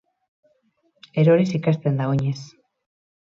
Eroriz ikasten da oinez.